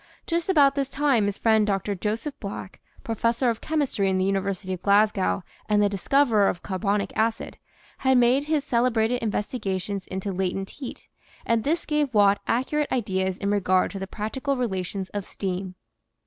Just about this time his friend Dr. Joseph Black, Professor of Chemistry in the University of Glasgow and the discoverer of carbonic acid, had made his cele brated investigations into latent heat, and this gave Watt accurate ideas in regard to the practical relations of steam.